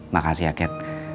makasih ya cat